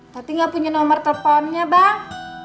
tadi nggak punya nomor telponnya bang